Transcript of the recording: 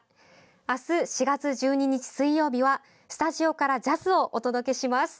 明日、４月１２日水曜日はスタジオからジャズをお届けします。